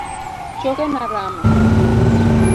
Chokena rama.